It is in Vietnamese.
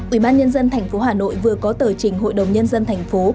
ủy ban nhân dân thành phố hà nội vừa có tờ trình hội đồng nhân dân thành phố